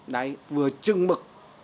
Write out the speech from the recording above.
đấy vừa chưng mực